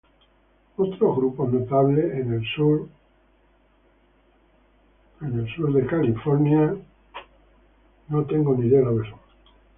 Otros grupos notables en el sur de California son Marvel Inc.